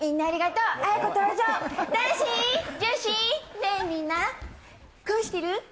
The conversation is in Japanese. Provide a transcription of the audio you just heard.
ねえみんな恋してる？